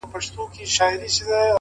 اوس په فلسفه باندي پوهېږمه؛